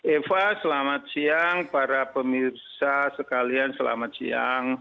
eva selamat siang para pemirsa sekalian selamat siang